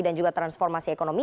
dan juga transformasi ekonomi